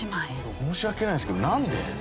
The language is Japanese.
申し訳ないですけどなんで？